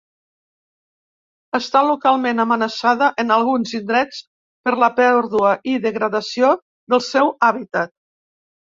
Està localment amenaçada en alguns indrets per la pèrdua i degradació del seu hàbitat.